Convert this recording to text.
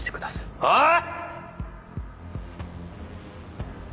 あっ！？